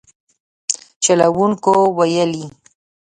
چلوونکو ویلي